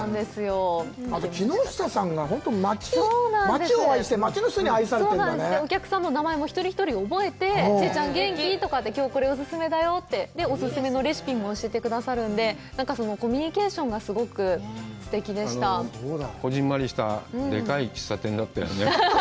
あと木下さんがほんと町を愛して町の人に愛されてんだねお客さんの名前も１人１人覚えておじいちゃん元気？とか今日これオススメだよってでオススメのレシピも教えてくださるんでコミュニケーションがすごくすてきでしたこぢんまりしたでかい喫茶店だったよね